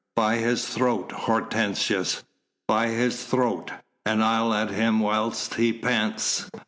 "By his throat, Hortensius! By his throat, and I'll at him whilst he pants!"